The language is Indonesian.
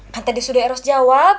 kan tadi sudah eros jawab